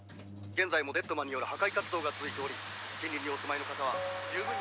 「現在もデッドマンによる破壊活動が続いており近隣にお住まいの方は十分に」